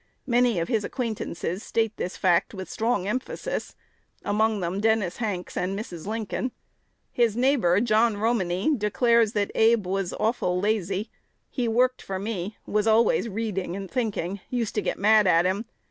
Many of his acquaintances state this fact with strong emphasis, among them Dennis Hanks and Mrs. Lincoln. His neighbor, John Romine, declares that Abe was "awful lazy. He worked for me; was always reading and thinking; used to get mad at him.